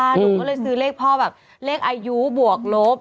หนูก็เลยซื้อเลขพ่อแบบเลขอายุบวกลบ